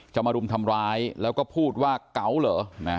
มารุมทำร้ายแล้วก็พูดว่าเก๋าเหรอ